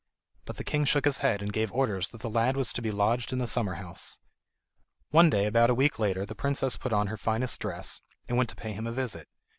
But the king shook his head, and gave orders that the lad was to be lodged in the summer house. One day, about a week later, the princess put on her finest dress, and went to pay him a visit.